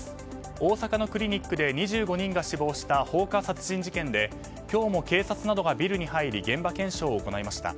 大阪のクリニックで２５人が死亡した放火殺人事件で今日も警察などがビルに入り現場検証を行いました。